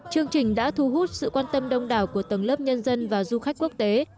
chương trình đã thu hút sự quan tâm đông đảo của tầng lớp nhân dân và du khách quốc tế